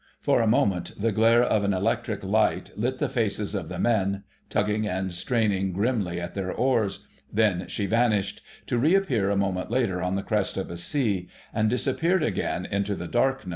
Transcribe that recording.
For a moment the glare of an electric light lit the faces of the men, tugging and straining grimly at their oars; then she vanished, to reappear a moment later on the crest of a sea, and disappeared again into the darkness.